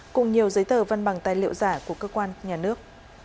cùng nhiều giấy tờ văn bằng tài liệu giả của cơ quan nhà nước